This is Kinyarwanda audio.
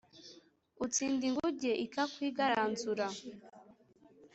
utsinda ingunge, ikakwigaranzura